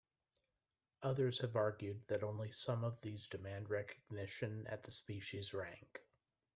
Others have argued that only some of these demand recognition at the species rank.